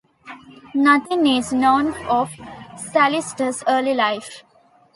Nothing is known of Callistus' early life.